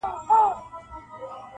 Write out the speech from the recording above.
o ژوند راته لنډوکی د شبنم راکه,